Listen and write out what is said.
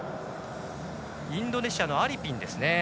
インドネシアのアリピンですね。